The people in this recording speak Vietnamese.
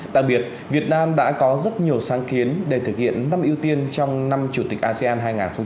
đặc biệt việt nam đã có rất nhiều sáng kiến để thực hiện năm ưu tiên trong năm chủ tịch asean hai nghìn hai mươi